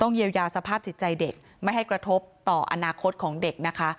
เยียวยาสภาพจิตใจเด็กไม่ให้กระทบต่ออนาคตของเด็กนะคะ